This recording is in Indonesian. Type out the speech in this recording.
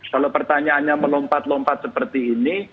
kalau pertanyaannya melompat lompat seperti ini